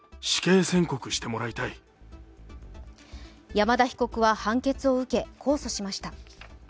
山田被告は判決を受け、控訴しました。